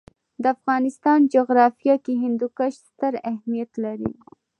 د افغانستان جغرافیه کې هندوکش ستر اهمیت لري.